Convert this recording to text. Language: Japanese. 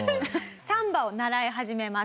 サンバを習い始めます